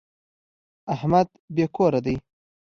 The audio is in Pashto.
احمد بې کوره دی.